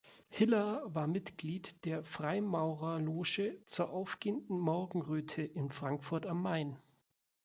Hiller war Mitglied der Freimaurerloge "Zur aufgehenden Morgenröthe" in Frankfurt am Main.